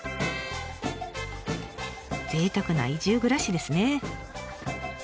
ぜいたくな移住暮らしですね。